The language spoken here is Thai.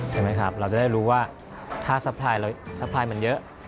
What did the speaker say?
ใช่ไหมครับเราจะได้รู้ว่าถ้าซัพพลายมันเยอะ